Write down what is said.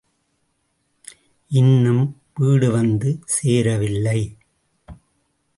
இன்னும் வீடு வந்து சேரவில்லை.